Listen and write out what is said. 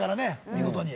見事に。